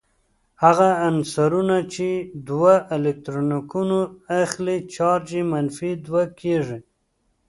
هغه عنصرونه چې دوه الکترونونه اخلې چارج یې منفي دوه کیږي.